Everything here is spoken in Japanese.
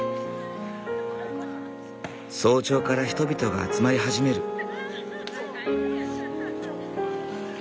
早朝から人々が集まり始める。